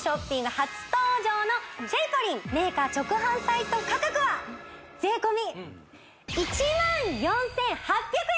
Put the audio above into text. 初登場のシェイポリンメーカー直販サイト価格は税込１万４８００円！